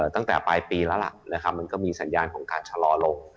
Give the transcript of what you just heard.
ตั้งแต่ปลายปีแล้วล่ะนะครับมันก็มีสัญญาณของการชะลอลง